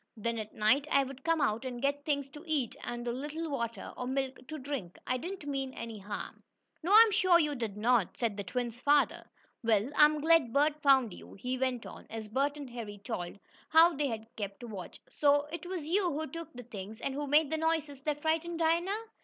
Then at night I would come out and get things to eat and a little water or milk to drink. I didn't mean any harm." "No, I'm sure you did not," the twins' father said. "Well, I'm glad Bert found you," he went on, as Bert and Harry told how they had kept watch. "So it was you who took the things, and who made the noises that frightened Dinah?"